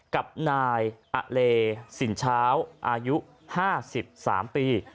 กับนายอเลสินเช้าอายุ๕๓ปี